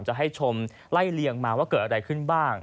จะให้ชมไล่เลียงมาว่าเกิดอะไรขึ้นบ้าง